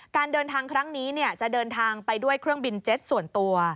การเดินทางครั้งนี้จะเดินทางไปด้วยเครื่องบินเจ็ตส่วนตัว